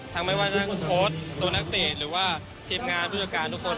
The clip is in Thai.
ทั้งไม่ว่าทั้งโค้ดตัวนักเตรียมหรือว่าทีมงานธุรการทุกคน